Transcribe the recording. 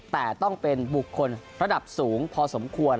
แต่ต้องเป็นบุคคลระดับสูงพอสมควร